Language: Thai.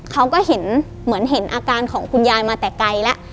เขาก็เห็นเหมือนเห็นอาการของคุณยายมาแต่ไกลแล้ว